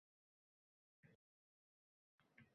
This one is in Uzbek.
Shunga bir xabar olay, deb keldim.